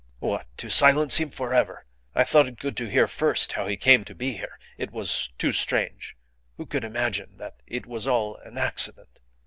"What! To silence him for ever? I thought it good to hear first how he came to be here. It was too strange. Who could imagine that it was all an accident?